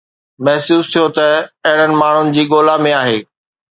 محسوس ٿيو ته هو اهڙن ماڻهن جي ڳولا ۾ آهي